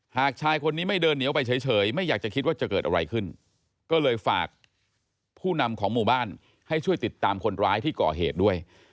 ชายคนนี้ไม่เดินเหนียวไปเฉยไม่อยากจะคิดว่าจะเกิดอะไรขึ้นก็เลยฝากผู้นำของหมู่บ้านให้ช่วยติดตามคนร้ายที่ก่อเหตุด้วย